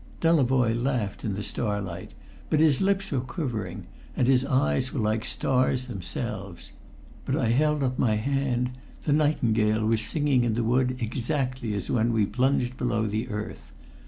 Delavoye laughed in the starlight, but his lips were quivering, and his eyes were like stars themselves. But I held up my hand: the nightingale was singing in the wood exactly as when we plunged below the earth.